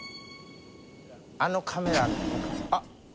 あのカメラあっ！